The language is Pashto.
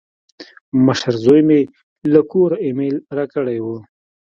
مشر زوی مې له کوره ایمیل راکړی و.